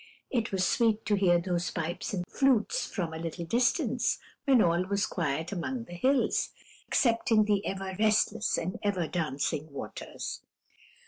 It was sweet to hear those pipes and flutes from a little distance, when all was quiet among the hills, excepting the ever restless and ever dancing waters.